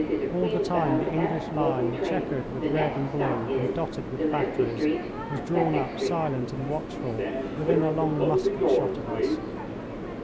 All the time the English line, chequered with red and blue and dotted with batteries, was drawn up silent and watchful within a long musket shot of us.